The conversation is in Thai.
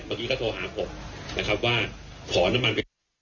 เมื่อกี้ก็โทรหาผมนะครับว่าขอน้ำมันไป